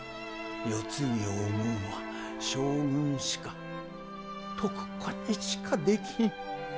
世継ぎを生むんは将軍しか徳子にしかできひん。